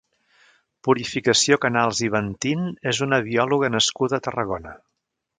Purificació Canals i Ventín és una biòlega nascuda a Tarragona.